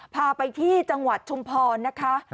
พาไปที่จังหวัดชุมพรนะคะ